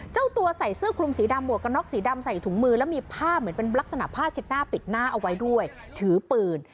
เจ้าตัวใส่เสื้อคลุมสีดำหวกกันน็อกสีดำใส่ถุงมือแล้วมีผ้าเหมือนเป็นลักษณะผ้าเช็ดหน้าปิดหน้าเอาไว้ด้วยถือปืน